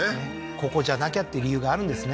ここじゃなきゃって理由があるんですね